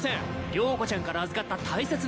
了子ちゃんから預かった大切な品だ。